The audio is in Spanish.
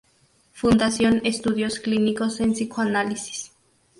Fundación estudios clínicos en psicoanálisis.